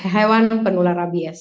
hewan penular rabies